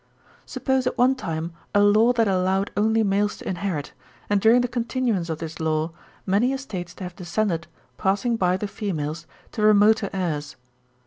'Suppose at one time a law that allowed only males to inherit, and during the continuance of this law many estates to have descended, passing by the females, to remoter heirs.